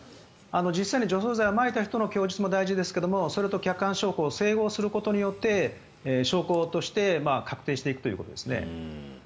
実際に除草剤をまいた人の供述も大事ですがそれと客観証拠を整合することによって証拠として確定していくということですね。